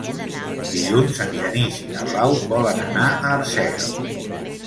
Dilluns en Genís i na Blau volen anar a Arsèguel.